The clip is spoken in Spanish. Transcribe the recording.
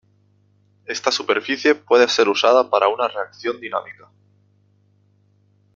Esta superficie puede ser usada para una reacción dinámica.